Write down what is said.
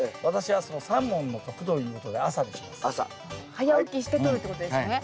早起きしてとるってことですよね。